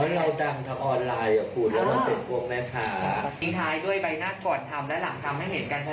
และหลังคำให้เห็นกันชัดว่า